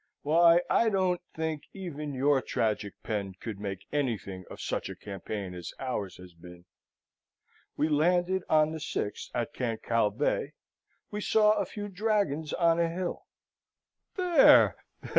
Why, I don't think even your tragick pen could make anything of such a campaign as ours has been. We landed on the 6 at Cancalle Bay, we saw a few dragons on a hill...' "There!